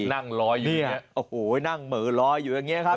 นั่งรออยู่เนี่ยโอ้โหนั่งเหม่อลอยอยู่อย่างนี้ครับ